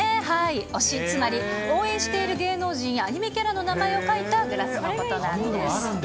推し、つまり応援している芸能人やアニメキャラの名前を書いたグラスのことなんです。